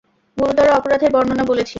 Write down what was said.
গুরুতর অপরাধের বর্ণনা বলেছি?